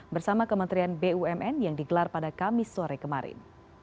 bersama kementerian bumn yang digelar pada kamis sore kemarin